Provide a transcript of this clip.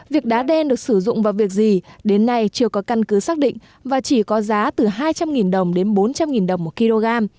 việc đá đen được sử dụng vào việc gì đến nay chưa có căn cứ xác định và chỉ có giá từ hai trăm linh đồng đến bốn trăm linh đồng một kg